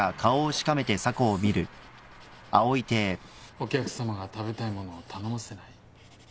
お客さまが食べたい物を頼ませない？